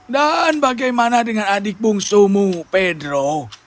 dan bagaimana dengan adik bungsumu pedro